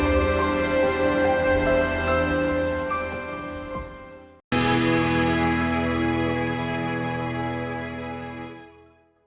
selain menggunakan metode relatif